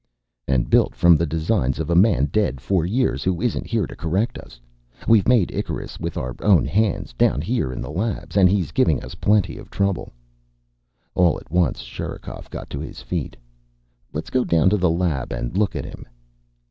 "And built from the designs of a man dead four years who isn't here to correct us. We've made Icarus with our own hands, down here in the labs. And he's giving us plenty of trouble." All at once Sherikov got to his feet. "Let's go down to the lab and look at him."